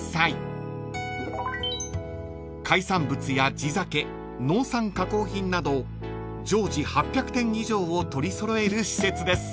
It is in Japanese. ［海産物や地酒農産加工品など常時８００点以上を取り揃える施設です］